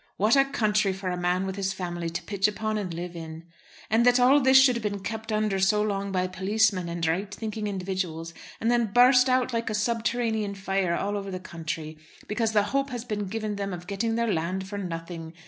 What a country for a man with his family to pitch upon and live in! And that all this should have been kept under so long by policemen and right thinking individuals, and then burst out like a subterranean fire all over the country, because the hope has been given them of getting their land for nothing!